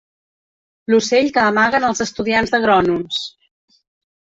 L'ocell que amaguen els estudiants d'agrònoms.